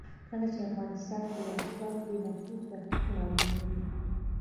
کله چې افغانستان کې ولسواکي وي نفوس دقیق مالومیږي.